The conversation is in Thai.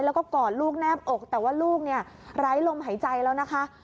แล้วก็กอดลูกแนบอกแต่ว่าลูกเนี่ยไร้ลมหายใจแล้วนะคะ